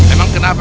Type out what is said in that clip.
emang kena apa ya